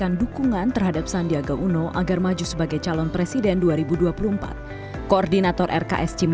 untuk menjadi pemimpin kita di dua ribu dua puluh empat